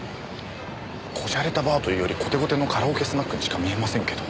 こじゃれたバーというよりコテコテのカラオケスナックにしか見えませんけど。